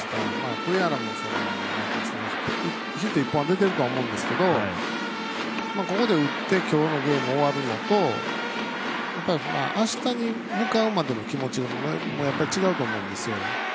栗原もヒット１本出てると思うんですけどここで打って今日のゲーム終わるのとやっぱり、あしたに向かうまでの気持ちも違うと思うんですよ。